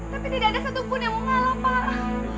tapi tidak ada satupun yang mau ngalah pak